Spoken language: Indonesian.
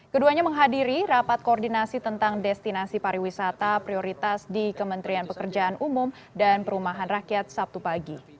keduanya menghadiri rapat koordinasi tentang destinasi pariwisata prioritas di kementerian pekerjaan umum dan perumahan rakyat sabtu pagi